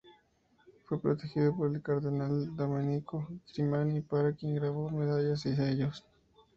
Fue protegido por el cardenal Domenico Grimani, para quien grabó medallas y sellos.